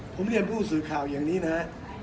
ผมเรียนผู้สื่อข่าวอย่างนี้นะ